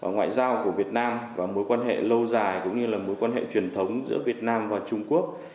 ngoại giao của việt nam và mối quan hệ lâu dài cũng như là mối quan hệ truyền thống giữa việt nam và trung quốc